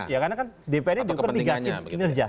ya karena kan dpr ini diukur tiga kinerja